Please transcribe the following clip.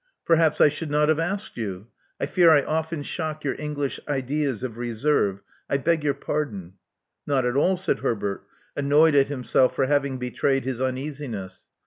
Perhaps I should not have asked you. I fear I often shock your English ideas of reserve. Iheg your pardon." Not at all," said Herbert, annoyed at himself for having betrayed his uneasiness.